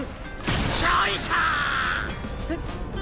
えっ？